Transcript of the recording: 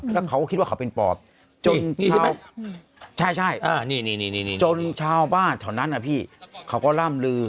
แล้วเขาก็คิดว่าเขาเป็นปอบจนชาวบ้านเท่านั้นเขาก็ล่ำลือ